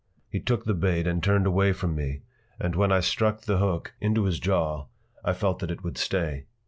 He took the bait and turned away from me, and when I struck the hook into his jaw I felt that it would stay.